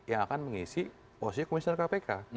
yang akan mengisi posisi komisioner kpk